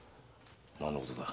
何のことだ？